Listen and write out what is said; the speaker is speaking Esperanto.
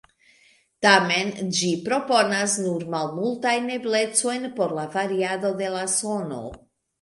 Tamen ĝi proponas nur malmultajn eblecojn por la variado de la sono.